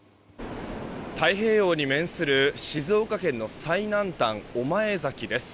太平洋に面する静岡県の最南端、御前崎です。